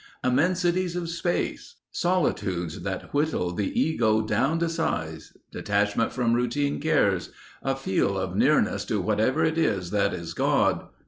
Immensities of space. Solitudes that whittle the ego down to size. Detachment from routine cares. A feel of nearness to whatever it is that is God.